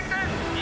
２